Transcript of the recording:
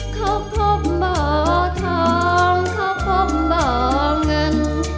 เขาพบบ่อทองเขาพบบ่อเงิน